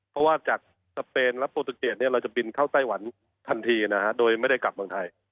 เพราะว่าจากสเปนและโปรตูเกตเราจะบินเข้าไต้หวันทันทีนะฮะโดยไม่ได้กลับเมืองไทย